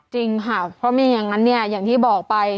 จริงค่ะเพราะไม่อย่างนั้นเนี่ยอย่างที่บอกไป